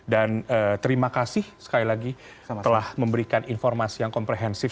dan terima kasih sekali lagi telah memberikan informasi yang komprehensif